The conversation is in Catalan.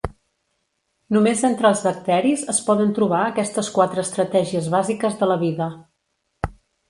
Només entre els bacteris es poden trobar aquestes quatre estratègies bàsiques de la vida.